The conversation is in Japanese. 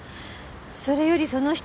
それよりその人